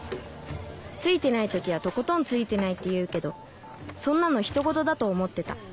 ツイてない時はとことんツイてないっていうけどそんなのひとごとだと思ってた